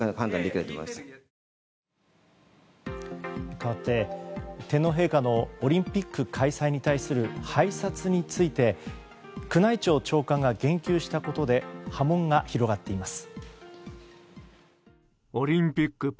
かわって、天皇陛下のオリンピック開催に関する拝察について宮内庁長官が言及したことで波紋が広がっています。